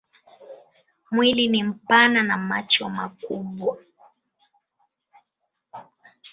Mwili ni mpana na macho makubwa.